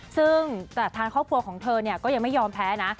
ซึ่งแต่ทางครอบครัวของเธอก็ยังไม่ยอมแพ้นะ